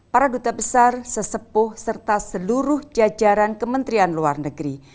para duta besar sesepuh serta seluruh jajaran kementerian luar negeri